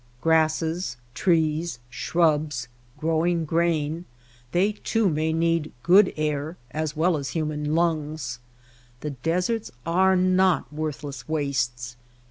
Grasses, trees, shrubs, growing grain, they, too, may need good air as well as human lungs. The deserts are not worthless wastes.